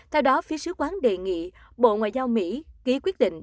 theo đó phía sứ quán đề nghị bộ ngoại giao mỹ ký quyết định